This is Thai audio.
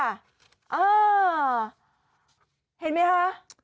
เห็นไหมคะ